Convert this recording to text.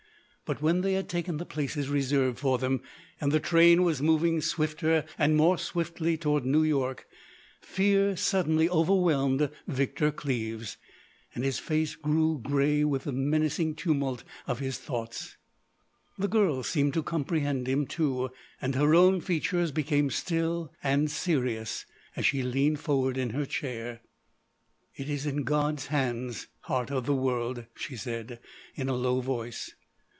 But when they had taken the places reserved for them, and the train was moving swifter and more swiftly toward New York, fear suddenly overwhelmed Victor Cleves, and his face grew grey with the menacing tumult of his thoughts. The girl seemed to comprehend him, too, and her own features became still and serious as she leaned forward in her chair. "It is in God's hands, Heart of the World," she said in a low voice.